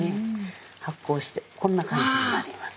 発酵してこんな感じになります。